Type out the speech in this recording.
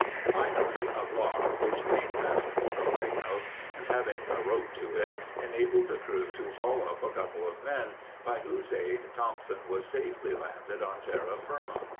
Finally, a block, which being fastened to the lighthouse, and having a rope to it, enabled the crew to haul up a couple of men, by whose aid Thompson was safely landed on terra firma.